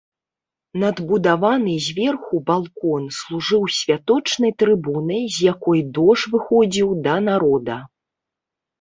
Надбудаваны зверху балкон служыў святочнай трыбунай, з якой дож выходзіў да народа.